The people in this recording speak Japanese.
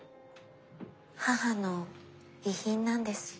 母の遺品なんです。